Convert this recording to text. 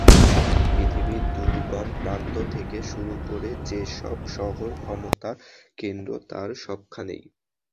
পৃথিবীর দুর্গম প্রান্ত থেকে শুরু করে যেসব শহর ক্ষমতার কেন্দ্র—তার সবখানেই।